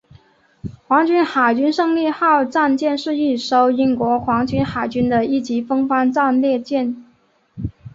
皇家海军胜利号战舰是一艘英国皇家海军的一级风帆战列舰。